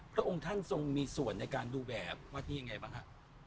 พระองค์ท่านทรงมีส่วนในการดูแบบว่าที่ยังไงบ้างฮะ